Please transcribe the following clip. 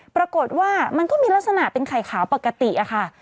ปรากฏว่ามันก็มีลักษณะเป็นไข่ขาวปกติอะค่ะ